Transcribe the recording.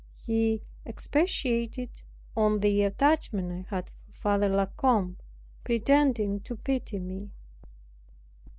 He expatiated on the attachment I had for Father La Combe, pretending to pity me.